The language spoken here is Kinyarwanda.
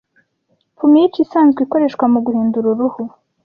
Pumice isanzwe ikoreshwa muguhindura uruhu